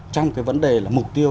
trong cái vấn đề là mục tiêu